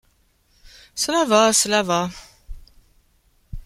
Cela va ! cela va !